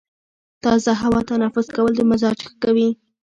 تازه هوا تنفس کول د مزاج ښه کوي.